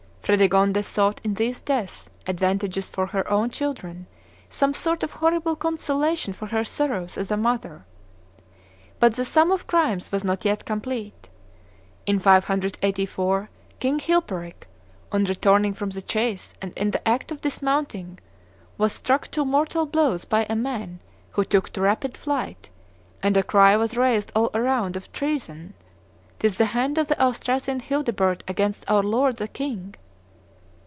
Fredegonde sought in these deaths, advantageous for her own children, some sort of horrible consolation for her sorrows as a mother. But the sum of crimes was not yet complete. In 584 King Chilperic, on returning from the chase and in the act of dismounting, was struck two mortal blows by a man who took to rapid flight, and a cry was raised all around of "Treason! 'tis the hand of the Austrasian Childebert against our lord the king!"